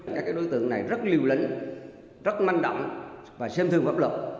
các đối tượng này rất liều lĩnh rất manh động và xem thường pháp luật